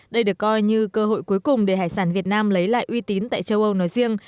đây được coi như cơ hội cuối cùng để hải sản việt nam lấy lại uy tín tại châu âu nói riêng